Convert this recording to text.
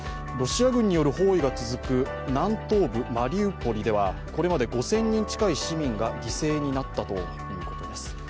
ロシア軍による包囲が続く南東部マリウポリではこれまで５０００人が犠牲になったそうです。